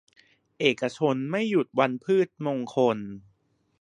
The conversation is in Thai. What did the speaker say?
เอกชนไม่หยุดวันพืชมงคล